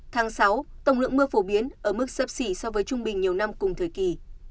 tháng sáu tổng lượng mưa phổ biến ở mức sấp xỉ so với trung bình nhiều năm cùng thời kỳ